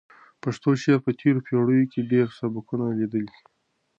د پښتو شعر په تېرو پېړیو کې ډېر سبکونه لیدلي دي.